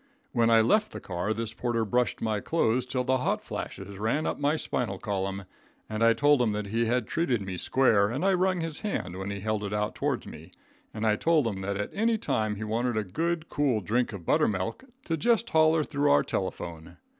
When I left the car this porter brushed my clothes till the hot flashes ran up my spinal column, and I told him that he had treated me square, and I rung his hand when he held it out toards me, and I told him that at any time he wanted a good, cool drink of buttermilk, to just holler through our telephone.